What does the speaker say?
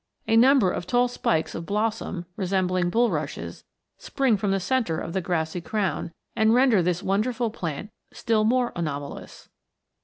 A number of tall spikes of blossom, resembling bulrushes, spring from the centre of the grassy crown, and render this wonderful plant still more anomalous.